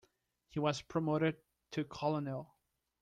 He was promoted to colonel.